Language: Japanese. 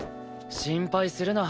心配するな。